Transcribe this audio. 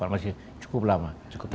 masih cukup lama